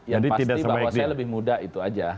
yang pasti bahwa saya lebih muda itu aja